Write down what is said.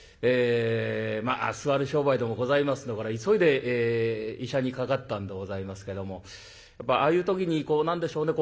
まあ座る商売でもございますんでこれは急いで医者にかかったんでございますけどもやっぱああいう時に何でしょうね